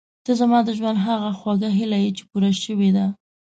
ته زما د ژوند هغه خوږه هیله یې چې پوره شوې ده.